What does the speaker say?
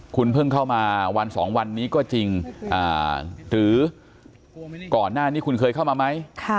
คุณเพิ่งเข้ามาวัน๒วันนี้ก็จริงหรือก่อนหน้านี้คุณเคยเข้ามาไหม